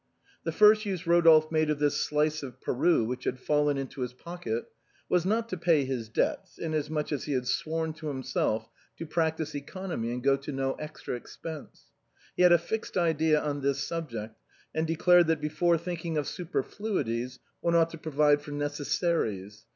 The first use Rodolphe made of this slice of Peru which had fallen into his pocket was not to pay his debts, inas much as he had sworn to himself to practice economy and go to no extra expense. He had a fixed idea on this sub ject, and declared that before thinking of superfluities, one ought to provide for necessaries.